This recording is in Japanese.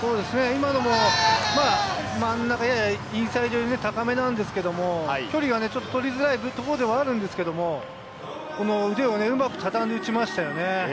今のも真ん中ややインサイド寄り高めなんですけれど、距離が取りづらいところではあるんですけれど、腕をうまくたたんで来ましたよね。